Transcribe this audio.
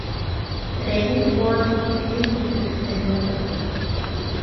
Рәим ҡыуанып, ике йөҙлөктө кеҫәһенә тыҡты.